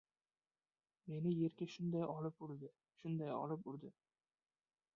Meni yerga shunday olib urdi, shunday olib urdi!